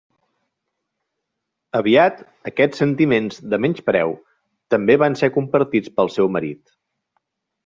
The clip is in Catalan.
Aviat, aquests sentiments de menyspreu també van ser compartits pel seu marit.